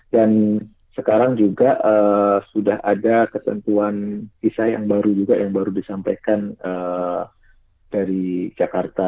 dan sekarang juga sudah ada ketentuan visa yang baru juga yang baru disampaikan dari jakarta